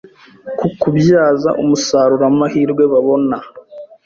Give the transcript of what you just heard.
ku kubyaza umusaruro amahirwe babona